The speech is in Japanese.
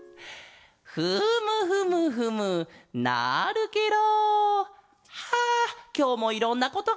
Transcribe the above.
フムフムフムなるケロ！はあきょうもいろんなことがしれた。